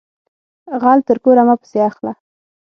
غل تر کوره مه پسی اخله